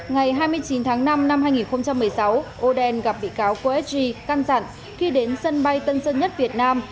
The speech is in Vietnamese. ngày hai mươi chín tháng năm năm hai nghìn một mươi sáu oden gặp bị cáo qsg căng dặn khi đến sân bay tân sân nhất việt nam